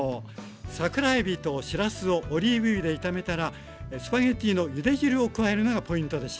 桜えびとしらすをオリーブ油で炒めたらスパゲッティのゆで汁を加えるのがポイントでした。